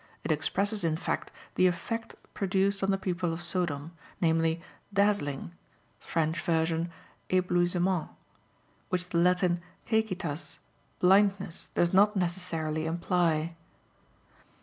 It expresses, in fact, the effect produced on the people of Sodom namely, dazzling (French version, "eblouissement"), which the Latin "caecitas" (blindness) does not necessarily imply.